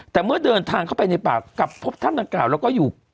แต่เมื่อเดินทางเข้าไปในป่ากลับพบถ้ำดังกล่าวแล้วก็อยู่